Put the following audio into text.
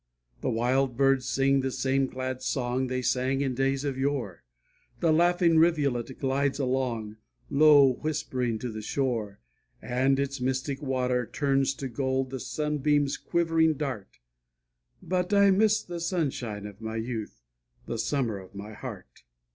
The wild birds sing the same glad song They sang in days of yore; The laughing rivulet glides along, Low whispering to the shore, And its mystic water turns to gold The sunbeam's quivering dart, But I miss the sunshine of my youth, The summer of my heart.